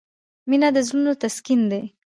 • مینه د زړونو تسکین دی.